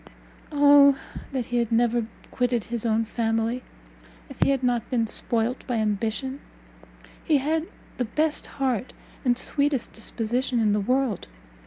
Oh that he had never quitted his own family! If he had not been spoilt by ambition, he had the best heart and sweetest disposition in the world.